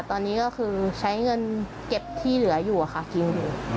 ตอนนี้ก็คือใช้เงินเก็บที่เหลืออยู่ค่ะกินอยู่